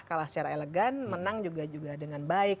kalah secara elegan menang juga dengan baik